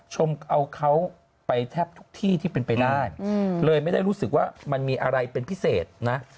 เอาเขาไปแทบทุกที่ที่เป็นไปได้เลยไม่ได้รู้สึกว่ามันมีอะไรเป็นพิเศษนะ